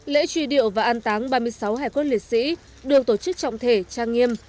lễ truy điệu và an táng ba mươi sáu hải cốt liệt sĩ được tổ chức trọng thể trang nghiêm